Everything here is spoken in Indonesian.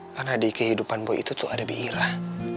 karena di kehidupan boy itu tuh ada bi irah